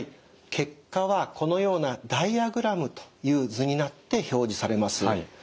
結果はこのようなダイヤグラムという図になって表示されます。